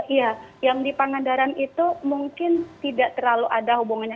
iya yang di pangandaran itu mungkin tidak terlalu ada hubungannya